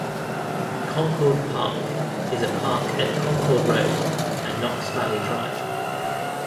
Concord Park is a park at Concord Road and Knox Valley Drive.